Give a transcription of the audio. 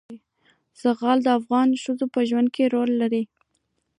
زغال د افغان ښځو په ژوند کې رول لري.